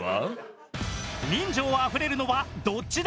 人情あふれるのはどっちだ！？